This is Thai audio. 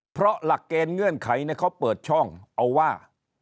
เพราะหลักเกณฑ์เงื่อนไขเขาเปิดช่องเอาว่า